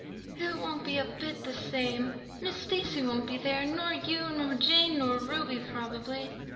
"It won't be a bit the same. Miss Stacy won't be there, nor you nor Jane nor Ruby probably.